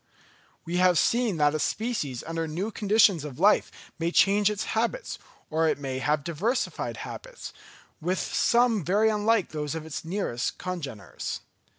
We have seen that a species under new conditions of life may change its habits, or it may have diversified habits, with some very unlike those of its nearest congeners.